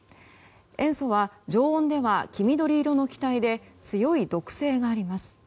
塩素は常温では黄緑色の気体で強い毒性があります。